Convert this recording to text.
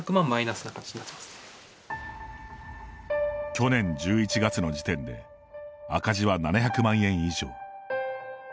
去年１１月の時点で赤字は７００万円以上。